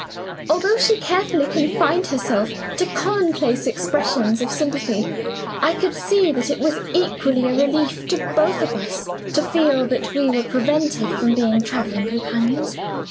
"Although she carefully confined herself to commonplace expressions of sympathy, I could see that it was equally a relief to both of us to feel that we were prevented from being traveling companions.